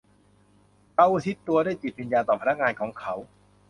เขาอุทิศตัวด้วยจิตวิญญาณต่อพนักงานของเขา